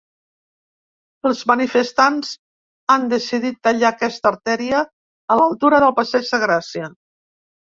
Els manifestants han decidit tallar aquesta artèria a l’altura del passeig de Gràcia.